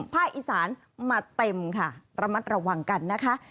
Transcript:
ภาคอีสานมาเต็มค่ะระมัดระวังกันนะคะ